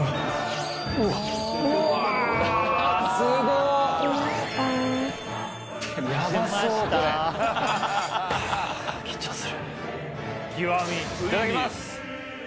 いただきます！